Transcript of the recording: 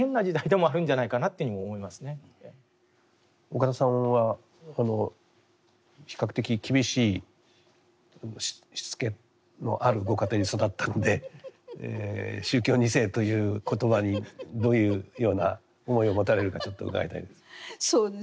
岡田さんは比較的厳しいしつけのあるご家庭に育ったので宗教２世という言葉にどういうような思いを持たれるかちょっと伺いたいです。